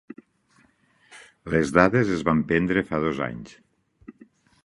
Les dades es van prendre fa dos anys.